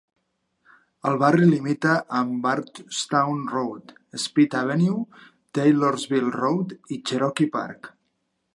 El barri limita amb Bardstown Road, Speed Avenue, Taylorsville Road i Cherokee Park.